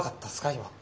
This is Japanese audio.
今。